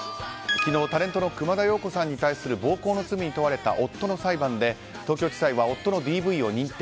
昨日、タレントの熊田曜子さんに対する暴行の罪に問われた夫の裁判で東京地裁は夫のＤＶを認定。